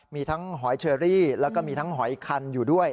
มีทั้งหอยเชอรี่แล้วก็มีทั้งหอยคันอยู่ด้วย